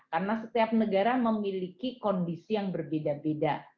karena setiap negara memiliki kondisi yang berbeda beda